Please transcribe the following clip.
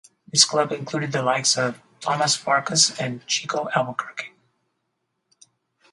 This club included the likes of Thomaz Farkas and Chico Albuquerque.